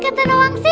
ratu para bidadari